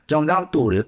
trong đạo tù lực